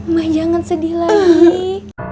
mak jangan sedih lagi